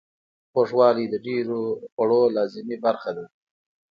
خوږوالی د ډیرو خوړو لازمي برخه ده.